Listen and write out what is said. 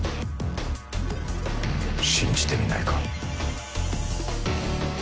信じてみないか？